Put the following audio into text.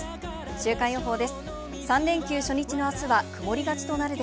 週間予報で